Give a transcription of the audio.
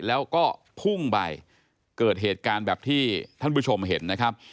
แล้วก็พุ่งไปเกิดเหตุการณ์แบบที่ท่านผู้ชมเห็นนะครับ